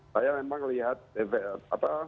saya memang melihat